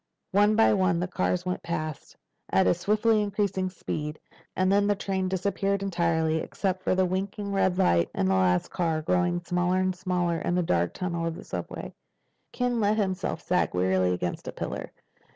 One by one the cars went past, at a swiftly increasing speed. And then the train disappeared entirely, except for the winking red light on the last car, growing smaller and smaller in the dark tunnel of the subway. Ken let himself sag wearily against a pillar.